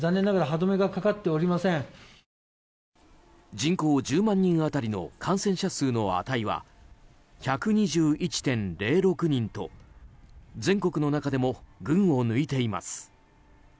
人口１０万人当たりの感染者数の値は１２１．０６人と全国の中でも群を抜いています。